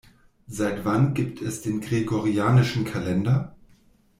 Seit wann gibt es den gregorianischen Kalender?